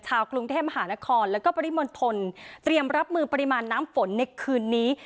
กรุงเทพมหานครแล้วก็ปริมณฑลเตรียมรับมือปริมาณน้ำฝนในคืนนี้